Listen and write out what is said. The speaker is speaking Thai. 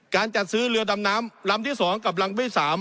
การจัดซื้อเรือดำน้ำลำที่๒กับลำที่๓